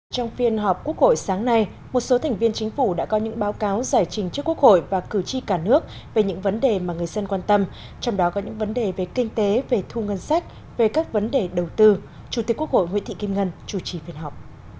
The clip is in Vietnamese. trong phiên họp quốc hội sáng nay một số thành viên chính phủ đã có những báo cáo giải trình trước quốc hội và cử tri cả nước về những vấn đề mà người dân quan tâm trong đó có những vấn đề về kinh tế về thu ngân sách về các vấn đề đầu tư chủ tịch quốc hội nguyễn thị kim ngân chủ trì phiên họp